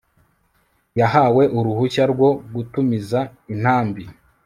yahawe uruhushya rwo gutumiza intambi